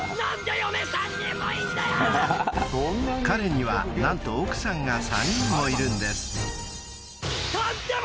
［彼には何と奥さんが３人もいるんです］